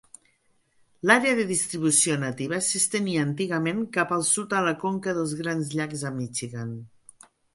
L'àrea de distribució nativa s'estenia antigament cap al sud a la conca dels Grans Llacs a Michigan.